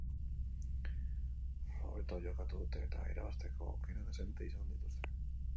Hobeto jokatu dute eta irabazteko aukera dezente izan dituzte.